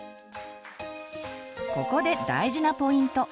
ここで大事なポイント。